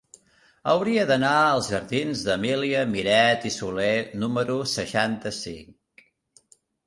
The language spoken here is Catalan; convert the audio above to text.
Hauria d'anar als jardins d'Emília Miret i Soler número seixanta-cinc.